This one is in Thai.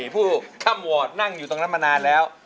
ผู้ทัมวอร์ตหนังอยู่ตรงน้ำมนนาดแล้ว